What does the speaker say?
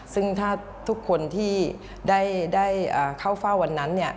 ซึ่งถ้าทุกคนที่ได้เข้าเฝ้าวันนั้น